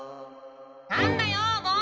何だよもう！